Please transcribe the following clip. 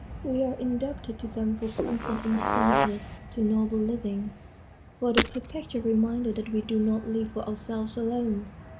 We are indebted to them for constant incentives to noble living; for the perpetual reminder that we do not live for ourselves alone.